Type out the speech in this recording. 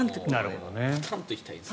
パタンと行きたいんです。